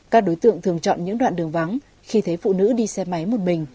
các đối tượng thường chọn những đoạn đường vắng khi thấy phụ nữ đi xe máy một mình